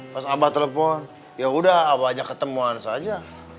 pas abah telepon yaudah abah ajak ketemuan saja